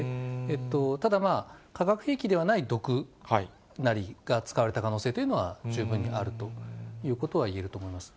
ただ、化学兵器ではない毒なりが使われた可能性というのは、十分にあるということは言えると思います。